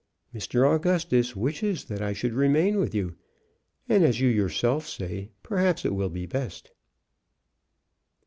"Mr. Augustus wishes that I should remain with you, and, as you yourself say, perhaps it will be best."